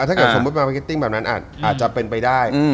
ถ้าเกิดสมมุติมาไปกิตติ้งแบบนั้นอาจจะเป็นไปได้